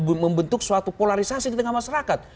ada yang membentuk suatu polarisasi di tengah masyarakat